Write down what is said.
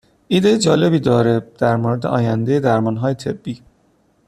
ایده جالبی داره در مورد آینده درمانهای طبی